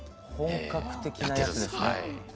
本格的なやつですね！